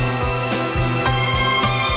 ngoài ra quốc cơ